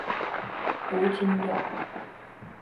胡锦鸟。